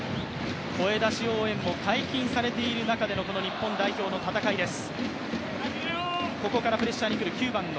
声出し応援も解禁されている中での日本代表の戦いです。